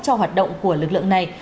cho hoạt động của lực lượng này